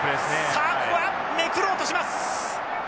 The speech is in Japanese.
さあここはめくろうとします！